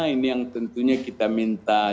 ini yang tentunya kita minta